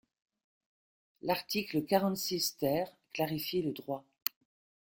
L’article quarante-six ter clarifie le droit.